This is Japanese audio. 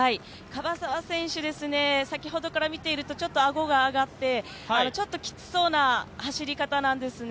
樺沢選手、先ほどからちょっとあごが上がってちょっときつそうな走り方なんですね。